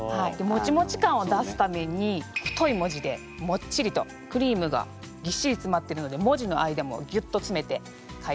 もちもち感を出すために太い文字でもっちりとクリームがぎっしりつまってるので文字の間もギュッとつめて書いてみました。